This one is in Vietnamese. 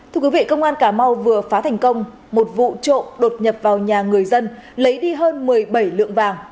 thưa quý vị công an cà mau vừa phá thành công một vụ trộm đột nhập vào nhà người dân lấy đi hơn một mươi bảy lượng vàng